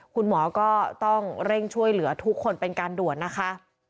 คุณหมอก็ต้องเร่งช่วยเหลือทุกคนเป็นการด่วนนะคะ